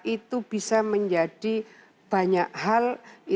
itu bisa menjadi banyak hal